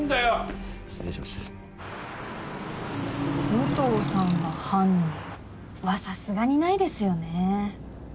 武藤さんが犯人はさすがにないですよね。